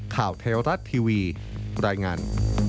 ข่าวเทวรัฐทีวีรายงาน